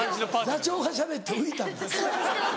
座長がしゃべって浮いたんだ。